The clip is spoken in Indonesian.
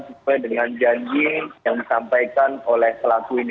sesuai dengan janji yang disampaikan oleh pelaku ini